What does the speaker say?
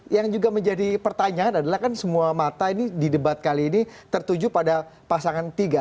yang juga menjadi pertanyaan adalah kan semua mata ini di debat kali ini tertuju pada pasangan tiga